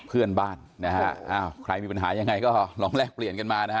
เพื่อนบ้านนะฮะอ้าวใครมีปัญหายังไงก็ลองแลกเปลี่ยนกันมานะฮะ